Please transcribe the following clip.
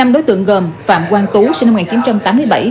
năm đối tượng gồm phạm quang tú sinh năm một nghìn chín trăm tám mươi bảy